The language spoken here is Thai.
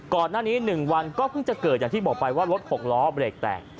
๑วันก็เพิ่งจะเกิดอย่างที่บอกไปว่ารถ๖ล้อเบรกแตก